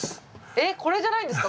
えっこれじゃないんですか？